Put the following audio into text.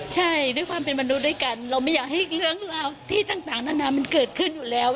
ใช่ด้วยความเป็นมนุษย์ด้วยกันเราไม่อยากให้เรื่องราวที่ต่างนานามันเกิดขึ้นอยู่แล้ว